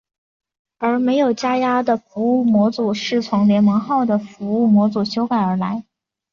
而没有加压的服务模组是从联盟号的服务模组修改而来。